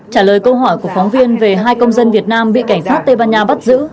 trả lời câu hỏi của phóng viên về hai công dân việt nam bị cảnh sát tây ban nha bắt giữ